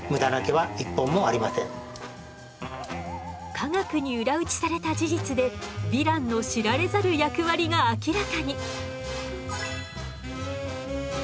科学に裏打ちされた事実でヴィランの知られざる役割が明らかに。